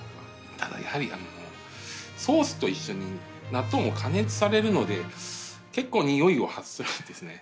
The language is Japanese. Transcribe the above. ただやはりソースと一緒に納豆も加熱されるので結構においを発するんですね。